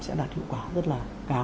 sẽ đạt hiệu quả rất là cao